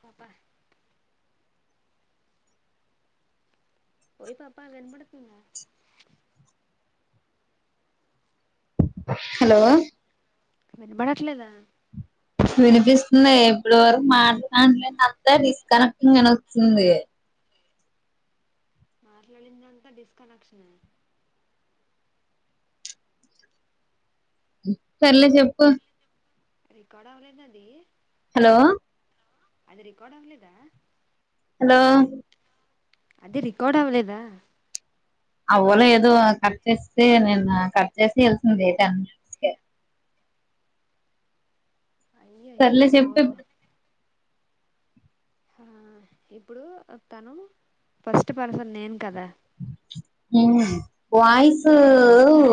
మబా ఓయ్ పాపా వినబడుతుంద హలో వినబడట్లేదా వినిపిస్తుంది ఇప్పుడు వరకు మాట్లాలే అంతా డిస్కనెక్టింగ్ అని వస్తుంది మాట్లాడిందంతా డిస్కనెక్షనా సర్లే చెప్పు రికార్డ్ అవలేద అది హలో అది రికార్డ్ అవ్ లేద హలో అది రికార్డ్ అవ్వలేదా అవ్వనో ఏదో కట్ చేసి నేను కట్ చేసి తెలిసింది డేట సర్లే అయ్యయ్యో చెప్తు హా ఇప్పుడు తను ఫస్ట్ పర్సన్ నేను కదా ఉమ్ వాయిసూ నాకు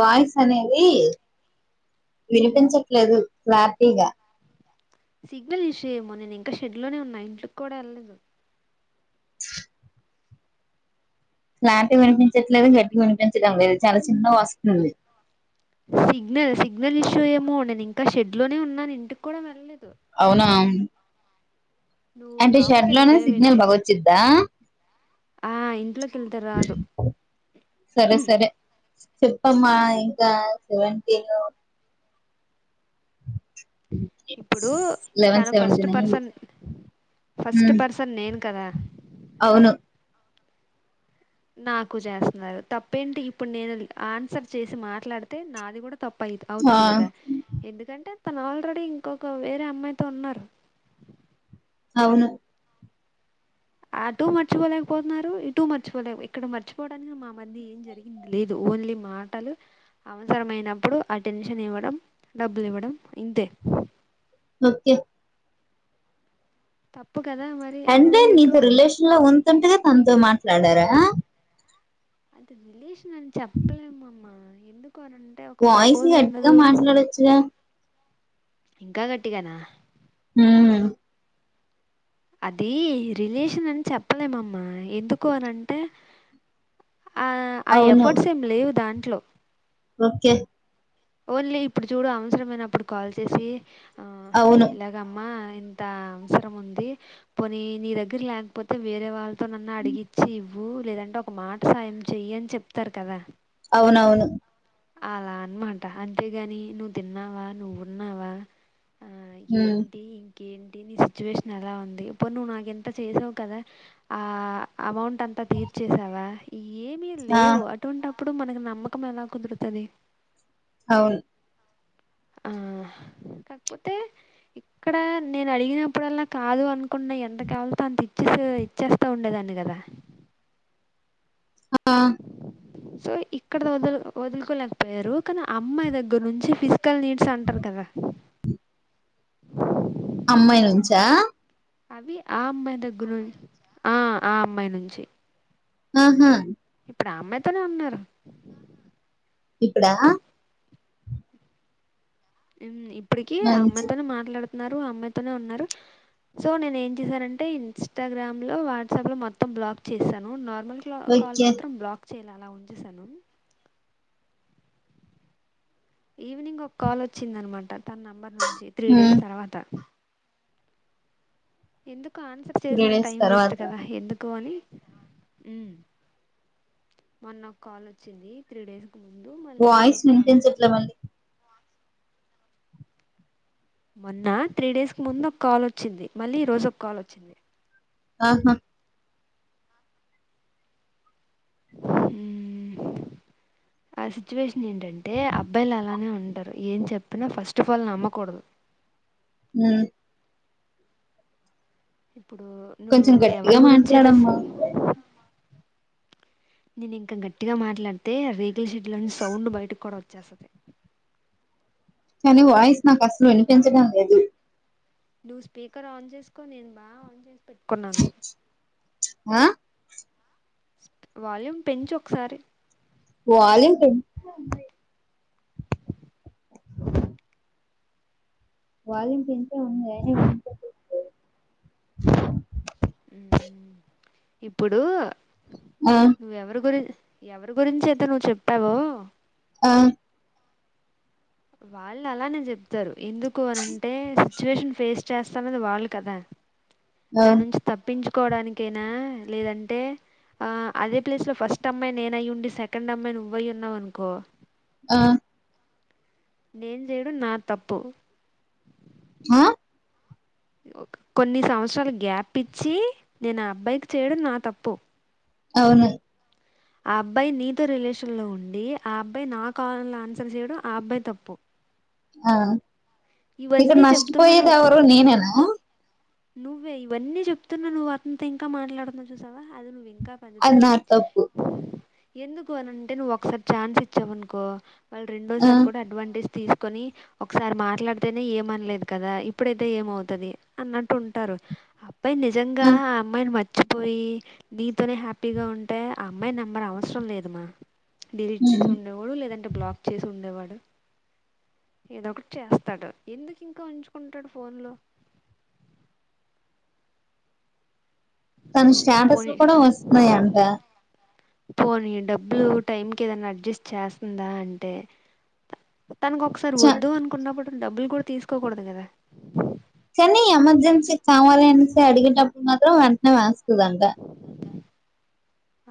వాయిస్ అనేది ది ఉమ్. వినిపించట్లేదు క్లారిటీ గా సిగ్నల్ ఇష్షుఏమో నేను ఇంకా షెడ్ లోనే ఉన్నా ఇంట్లోకి కూడా ఎళ్ళలేదు క్లారిటి వినిపించట్లేదు గట్టిగ వినిపించడం లేదు చాలా చిన్నగ వస్తుంది సిగ్నల్ సిగ్నల్ ఇష్యూ ఏమో నేను ఇంకా షెడ్ లోనే ఉన్నాను ఇంటికి కూడా వెళ్ళలేదు అవునా నువ్వు అంటే లోపలికి షడ్ లోనే సిగ్నల్ వెళ్ళిపోయావేంటి బాగొచ్చిద్దా ఆ ఇంట్లోకెళితే రాదు సెప్పమ్మా ఇంకా సెవెంటీను ఇప్పుడు లెవెన్ తను ఫస్ట్ సెవెంటీన్ అయింది పర్సన్ ఫస్ట్ ఉమ్ పర్సన్ నేను కదా అవును నాకు జేస్తన్నారు తప్పేంటి ఇప్పుడు నేను ఆన్సర్ చేసి మాట్లాడితే నాది గుడా తప్ప అయి ఆ అవుతది గదా ఎందుకంటే తను ఆల్రెడీ ఇంకొక వేరే అమ్మాయితో ఉన్నారు అవును అటూ మర్చిపోలేకపోతున్నారు ఇటూ మర్చిపోలేకపో ఇక్కడ మర్చిపోవడానికి మా మధ్య ఏం జరిగింది లేదు ఓన్లీ మాటలు అవసరమైనప్పుడు అటెన్షన్ ఇవ్వడం డబ్బులు ఇవ్వడం ఇంతే ఒకే తప్ అంటే నీతో రిలేషన్ లో ఉతుంటగా తనతో మాట్లాడారా అది రిలేేషన్ అని చెప్పలేమమ్మ ఎందుక్ వాయిసు గట్టిగా మాట్లాడచ్చు గా ఇంకా గట్టిగానా ఊ అది రిలేషన్ అని చెప్పలేమమ్మ ఎందుకు అని అంటే ఆ ఆ అవును ఎఫర్ట్స్ ఏమి లేవు దాంట్లో ఓకే ఓన్లీ ఇప్పుడు చూడు అవసరమైనప్పుడు కాల్ చేసి ఆ అవును ఇలాగ అమ్మా ఇంత అవసరం ఉంది పోనీ నీ దగ్గర లేకపోతే వేరే వాళ్ళతోనన్న అడిగిచ్చి ఇవ్వు లేదంటే ఒక మాట సాయం చెయ అని చెప్తారు కదా అవునవును అలా అనమాట అంతేగాని నువ్వు తిన్నావా నువ్వు ఉన్నావా ఆ ఉమ్ ఏంటి ఏంటి నీ సిచ్యువేషన్ ఎలా ఉంది ఇప్పు నువ్వు నాక ఎంత చేసావు కదా ఆ అమౌంట్ అంత అంత తీర్చేసావా ఈ ఏమిీ ఆ లేవు అటువంటప్పుడు మనకి నమ్మకం ఎలా కుదురుతుంది అవును ఆ కాక్పోతే ఇక్కడ నేను అడిగినప్పుడల్లా కాదు అనుకున్న ఎంత కావాల అంత ఇచ్చే ఇచ్చేస్తా ఉండేదాన్ని కదా ఆ సో ఇక్కడ వ వదులుకోలేకపోయారు కానీ అమ్మాయి దగ్గర నుంచి ఫిజ పకల్ నీట్ సంటరు కద అమ్మాయించా అవి ఆ అమ్మాయి దగ్గరు ఆ ఆ అమ్మాయి నుంచి ఆహా ఇప్పుడు అమ్మాయితోనే ఉన్నారు ఇప్పుడా ఇప్పడికి మంచి అమ్మాయితోనే మాట్లాడుతున్నారు అమ్మాయితోనే ఉన్నారు సో నేను ఏం చేశానంటే ఇన్స్టాగ్రామ్ లో వాట్సాప్ లో మొత్తం బ్లాగ్ చేసాను నా ల్్ కాల్ ఓకే మాత్రం బ్లాక్ చేయాల అలా ఉంచసాను ఈవినింగ్ ఒక కాల్ వచ్చింద అనమాట తన నెంబర్ నుంచి త్రీ ఉమ్ డేస్ తర్వాత ఎందుకు ఆన్సర్ త్రీ చేసిన డేస్ టైం వేస్ట్ తర్వాత కదా ఎందుకు అని మన్ ఒక కాల్ వచ్చింది త్రీ డేస్ వాయిస్ మెయింటైన్స్ ఎట్ల మడి మొన్న త్రీ డేస్ కి ముందు ఒక కాల్ వచ్చింది మళ్ళీ ఈ రోజు ఒక కాల్ వచ్చింది ఆహా ఆ సిచువష ఏంటంటే అబ్బాయిలు అలానే ఉంటారు ఏం చెప్పినా ఫస్ట్ ఆఫ్ ఆల్ నమ్మకూడదు అ ఇప్పుడు నువ్వు కొంచెం ఎవరి గట్టిగా గురించ తె మాట్లాడమ్మా నేను ఇంకా గట్టిగా మాట్లాడితే రేగిల్షడ్ లోని సౌండ్ బయటకు కూడా వచ్చేసా కానీ వాయిస్ నాకు అసలు వినిపించడం లేదు నువ్వు స్పీకర్ ఆన్ చేసుకో నేను బా ఆన్ చేసు ఆ వాల్యూమ్ పెంచి ఒకసారి ళ వాళ పె ఉ ఇప్పుడు ఆ నువ్వెవరి గురి ఎవరి గురించి అయితే నువ్వు చెప్పావ ఆ వాళ్ళు అలానే చెప్తారు ఎందుకు అనింటే సిచువేషన్ ఫేస్ చేస్తన్నది వాళ్ళు కదా ఆ దాని నుంచి తప్పించు కోవడానికైనా లేదంటే ఆ అదే ప్లేస్ లో ఫస్ట్ అమ్మాయి నేనయి ఉండి సెకండ్ అమ్మాయి నువ్్వయి ఉన్నావు అనుకో ఆ నేన్ చేయడు నాద్ తప్పు. హ కొన్ని సంవత్సరాలు గ్యాప్ ఇచ్చి, నేను అబ్బాయికి చేయడం నా తప్పు. అవును. ఆ అబ్బాయి నీతో రిలేషన్ లో ఉండి, ఆ అబ్బాయి నా కాల్ ఆన్సర్ చేయడం ఆ అబ్బాయి తప్పు. ఆ ఇక్కడ ఇవన్నీ చెప్తున్నాను నష్టపోయేది ఎవరు? నేనేనా? నువ్వే. ఇవన్నీ చెప్తున్నా, నువ్ అతనీతో ఇంకా మాట్లాడుతున్నావు చూసావా! అది నువ్వి కా పెద్ద అది తప్పు. నా ఎందుకు అని అంటే, నువ్వు ఒకసారి ఛాన్స్ ఇచ్చావనుకో, వాళ్ళు ఆ రెండోసారి కూడ అడ్వాంటేజ్ తీస్ కొని, ఒకసారి మాట్లాడితేనే ఏమనలేదు కదా! ఇప్పుడైతే ఏమవుతది అన్నట్ టుంటారు. అబ్బాయి నిజంగా ఆ అమ్మాయిని మ ర్చిపోయి నీతోనే హ్యాపీగా ఉంటే, ఆ అమ్మాయి నెంబర్ అవసరం లేదు మ. డిలీట్ చేసి ఉమ్ ఉండేవాడు. లేదంటే, బ్లాక్ చేసి ఉండేవాడు. ఏదో ఒకటి చేస్తాడు. ఎందుకు ఇంకా ఉంచుకుంటాడు ఫోన్ లో? తన స్టేటస్లు పోనీ కూడ వస్తున్నయంట. పోనీ డబ్బులు టైం కి ఏదైనా అడ్జస్ట్ చేస్తుందా అంటే, తనకు ఒకసారి చ వద్దు అనుకున్నప్పుడు డబ్బులు కూడా తీసుకోకూడదు కదా! కానీ, ఎమర్జెన్సీ కావాలి అనేసి అడిగేటప్పుడు మాత్రం వెంటనే వేస్తదంట.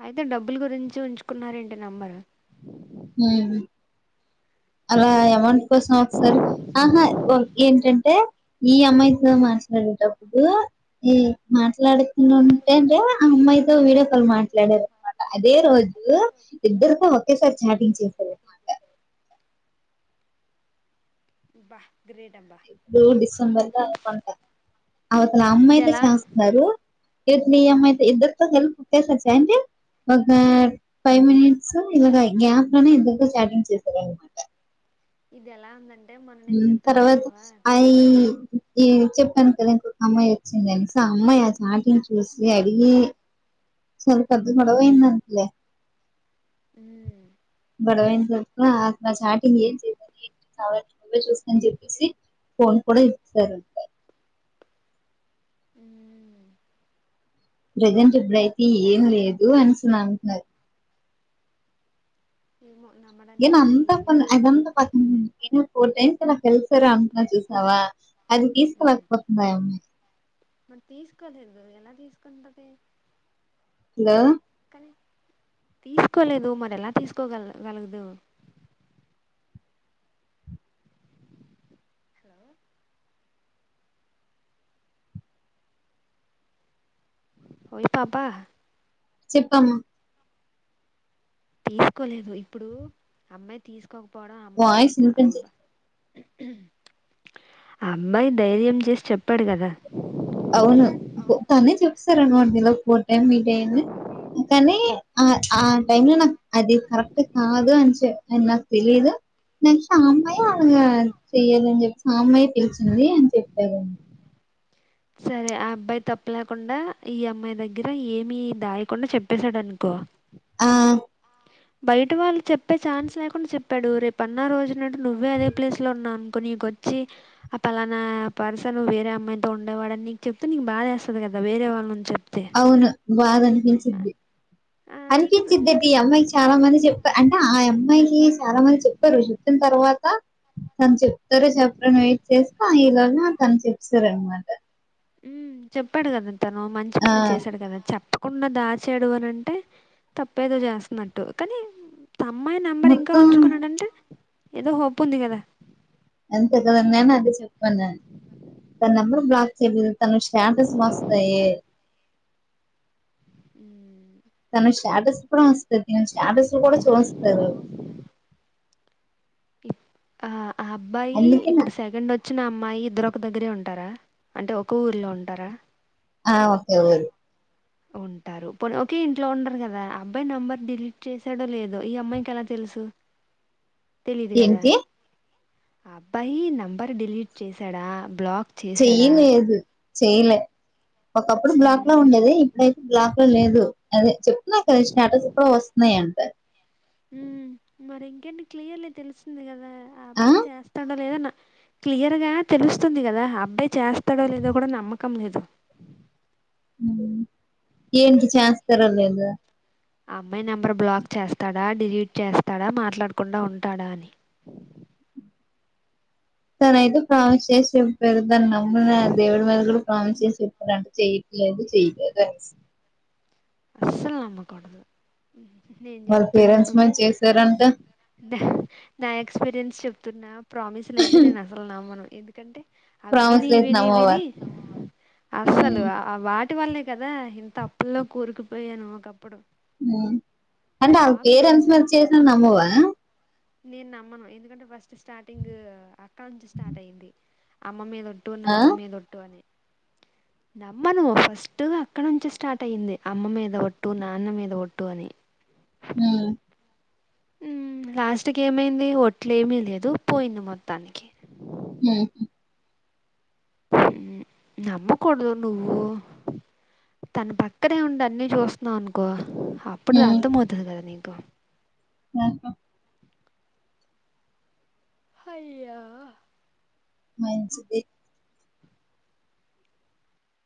అయితే డబ్బులు గురించి ఉంచుకున్నార ఏంటి నంబరు? ఉమ్ అలా యమౌంట్ కోసం ఒకసారి. ఆహా. ఏంటంటే, ఈ అమ్మాయితో మ ట్లాడేటప్పుడు, మ్ మాట్లాడు నేన్ ఉంట అంటే ఆ అమ్మాయితో వీడియో కాల్ మాట్లాడారు అన్మాట. అదే రోజు ఇద్దరితో ఒకేసారి చాటింగ్ చేసారనమాట. అబ్బ ఎప్పుడో డిసెంబర్ లో అనుకుంట. అవతల ఇది అమ్మాయి తో ఎలా చేస్తన్నారు ఇవతల ఈ అమ్మాయితో, ఇద్దరితో కలిపి ఒకేసారిసే అంటె, ఒక ఫైవ్ మినిట్స్ ఇలాగ, గ్యాప్ లోనే ఇద్దర్తో చాటింగ్ చేసారనమాట. ఇదెలా ఉందన్ మ్. తర్వాత, ఐ ఈ చెప్పాను కదా ఇంకొక అమ్మాయి వచ్చిందని, సో ఆ అమ్మాయి ఆ చాటింగ్ చూసి అడిగి, సో పెద్ద గొడవయింది అంట లే. మ్ గొడవైన్ తర్వత, అట్ల చాటింగ్ ఏం చేసావ్ ఏం చేసావ్ అని నువ్వే చూస్కో అని చెప్పేసి, ఫోన్ కూడ ఇచ్చారంట. మ్ ప్రజెంట్ ఇప్పుడైతే ఏం లేదు అనేసన్ అంటున్నారు. ఏమో ఏంది నమ్మడానికి అంతా వీలు పన్ లేదు అదంతా పా [unintelligible] ఓ టైన్త్ నాకు తెలుసురా అంటున్నా చూసావా! అది ఉమ్ తీసుకోలేకపోతుంది ఆ అమ్మాయి మరి తీసుకోలేదు కదా! ఎలా తీసుకుంటది? హలో కానీ తీసుకోలేదు. మరి ఎలా తీసుకోగల గలదు? హలో ఓయ్ పాప చెప్పమ్మ తీసుకోలేదు. ఇప్పుడు అమ్మాయి తీసుకోకపోవడం ఆ అమ్మాయి వాయిస్ తప్పు. ఆ వినిపించ అబ్బ ఆ అబ్బాయి ధైర్యం చేసి చెప్పాడు కదా! అవును. త తనే చెప్ సరెమో నిలవక పో టైం మీట్ అయింది కానీ ఆ ఆ టైమ్ లో నాకు అది కరెక్ట్ కాదు అని చె అ నాకు తెలీదు నస్ అమ్మాయి అనగా చెయ్యదుని చెప్పిసి ఆ అమ్మాయి పిలిచింది అని చెప్పారు సరే ఆ అబ్బాయి తప్పు లేకుండా ఈ అమ్మాయి దగ్గర ఏమి దాయకుండా చెప్పేశాడునుకో ఆ బయట వాళ్ళు చెప్పే ఛాన్స్ లేకుండా చెప్పాడు రేపు అన్న రోజునంటు నువ్వే అదే ప్లేస్ లో ఉన్నాను కో నీకొచ్చి ఆ పలానా పరుసను వేరే అమ్మాయితో ఉండేవాడుని నీకు చెప్తే నీకు బాధేస్తాది కదా అ వేరే వాళ్ళు నుంచొని అవును బాధనే పిచిద్ది ఆ నీకు అనిపిచిద్ద నీకు ఈ అమ్మాయికి చాలా మంది చెప్ప అంటే ఆ అమ్మాయి అమ్మాయికి చాలా మంది చెప్పారు చెప్పిన తర్వాత తను చెప్తారు చెప్పారో అని వెయిట్ చేస్తా ఈ లోగా తను చెప్ సారు అనమాట ఉ చెప్పాడు కదా తను మంచి ఆ పని చేశాడు కదా చెప్ప కుండా దాచాడు అని అంటే తప్పేదో చేస్తున్నట్టు కానీ ఆ అమ్మాయి నంబర్ ఇంకా మొత్తం ఉంచుకున్నాడంటే ఏదో హోప్ ఉంది కదా అంత కదన్నానా చెప్ప అనన్ తన నెంబర్ బ్లాక్ చేయలేదు తన స్టాటస్ వస్తాయే ఉ తన స్టాటస్ కూడా వస్తది ఆ స్టాటస్ కూడా చూస్తారు ఆ ఆ అబ్బాయి అందుకే నా ఇప్పుడు సెకండ్ వచ్చ వచ్చిన అమ్మాయి ఇద్దరొక దగ్గరే ఉంటారా అంటే ఒక ఊర్లో ఉంటారా ఆ ఓకే ఊరు ఉంటారు పోన్ ఒకే ఇంట్లో ఉండరు కదా అబ్బాయి నెంబర్ డిలీట్ చేసాడో లేదో ఈ అమ్మాయికి ఎలా తెలుసు తెలిదు కదా ఏంటి ఆ అబ్బాయి నంబర్ డిలీట్ చేశాడా బ్లాక్ చేశాడా చెయ్యలేదు చెయలే ఒకప్పుడు బ్లాక్ లో ఉమ్ ఉండేది ఇప్పుడైతే బ్లాక్ పో లేదు అదే చెప్తున్నా కద స్టేటస్ కూడా వస్తున్నాయని ఉ మరి ఇంకేంటి క్లియర్లీ తెలుస్తుంది కదా ఆ అబ్బాయి చేస్తాడా లేదన్న క్లియర్ గా తెలుస్తుంది కదా అబ్బాయి చేస్తాడో లేదో కూడా నమ్మకం లేదు మ్ ఏంటి చేస్తారో లేదు ఆ అమ్మాయి నెంబర్ బ్లాక్ చేస్తాడా డిలీట్ చేస్తాడా మాట్లాడకుండా ఉంటాడా అని తన అయితే ప్రామిస్ చేసి వేల్పోయాడు దాన్ని నమ్ ద దేవుడు మీద కూడా ప్రామిస్ చేసి చెప్పాడంట చేయిట్లేదు చేయలేదు అనేసి అస్సలు నమ్మకూడదు నేను వాళ్ళ పేరెంట్స్ చెప్తున్నాను మల్ చేసారంట నా నా ఎక్స్పీరియన్స్ చెప్తున్నా ప్రామిస్ లయితే నేను అసలు నమ్మను ఎందుకంటే అవి ప్రామిస్ విని లేదు విని నమ్మవా విని అసలు ఉమ్ ఆ వాటి ఇటి వళ్ళే కదా ఇంత అప్పుల్లో కూరుకుపోయాను ఒకప్పుడు మ్ అంటే ఆళ ప్రామిస్ పేరెంట్స్ మీద నిజంగా చేసిన నమ్మవా నేను నమ్మను ఎందుకంటే ఫస్ట్ స్టార్టింగ్ అక్కడ నుంచి స్టార్ట్ అయింది అమ్మ మీద ఒట్టు ఆ నాన్న మీదొట్టు అని నమ్మను ఫస్ట్ అక్కడ నుంచే స్టార్ట్ అయింది అమ్మ మీద ఒట్టు నాన్న మీద ఒట్టు అని మ్ మ్ లాస్ట్ కేమైంది ఒట్లేమీ లేదు పోయింది మొత్తానికి మ్ హు మ్ నమ్మకూడదు నువ్వు తన పక్కనే ఉండి అన్ని చూస్తున్నావ్ అనుకో అప్పుడే ఉమ్ అర్థమవతాది కదా నీకు ఆహా హయ్యా మంచిది